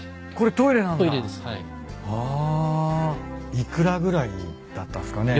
幾らぐらいだったんすかね？